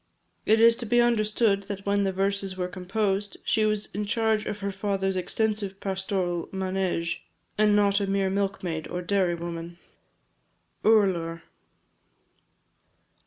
It is to be understood that when the verses were composed, she was in charge of her father's extensive pastoral manége, and not a mere milk maid or dairy woman. URLAR.